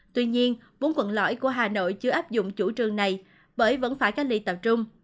tuy nhiên bốn quận lõi của hà nội chưa áp dụng chủ trương này bởi vẫn phải cách ly tập trung